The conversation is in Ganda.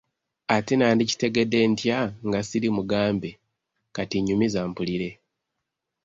Ate nandikitegedde ntya nga ssiri mugambe, kati nyumiza mpulire.